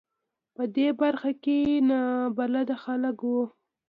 په دې برخه کې نابلده خلک و.